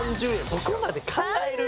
そこまで考える？